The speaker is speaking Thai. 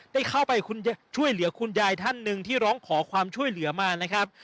ได้เข้าไปช่วยเหลือคุณยายท่านหนึ่งที่ร้องขอความช่วยเหลือมานะครับ